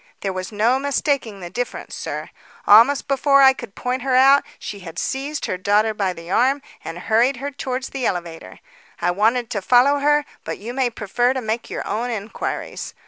There was no mistaking the difference, sir. Almost before I could point her out, she had seized her daughter by the arm and hurried her towards the elevator. I wanted to follow her, but you may prefer to make your own inquiries.